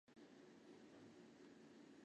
中脉和笼蔓为绿色至红色。